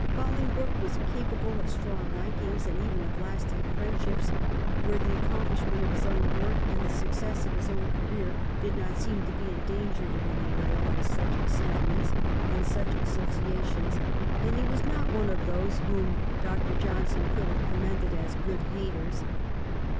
Bolingbroke was capable of strong likings and even of lasting friendships where the accomplish ment of his own work and the success of his own career did not seem to be endangered in any way by such sentiments and such associations, and he was not one of those whom Dr. Johnson could have com mended as good haters.